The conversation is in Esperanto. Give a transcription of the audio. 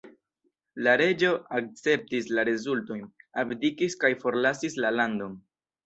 La reĝo akceptis la rezultojn, abdikis kaj forlasis la landon.